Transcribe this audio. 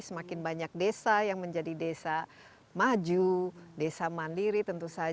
semakin banyak desa yang menjadi desa maju desa mandiri tentu saja